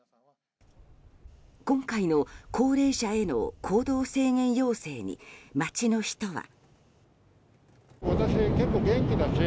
今回の高齢者への行動制限要請に街の人は。